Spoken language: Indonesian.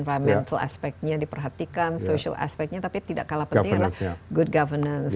eva mental aspeknya diperhatikan social aspeknya tapi tidak kalah penting adalah good governance